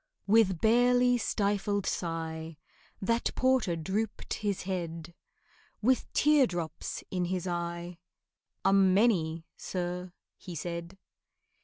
With barely stifled sigh That porter drooped his head, With teardrops in his eye, "A many, sir," he said.